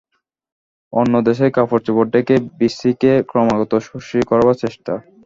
অন্য দেশে কাপড় চোপড় ঢেকে বিশ্রীকে ক্রমাগত সুশ্রী করবার চেষ্টা।